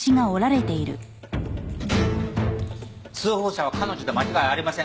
通報者は彼女で間違いありません。